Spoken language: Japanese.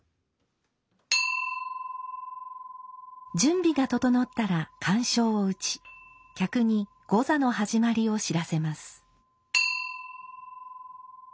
準備が整ったら喚鐘を打ち客に後座の始まりを知らせます。